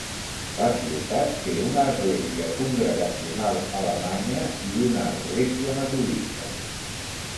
La ciutat té una església congregacional alemanya i una església metodista.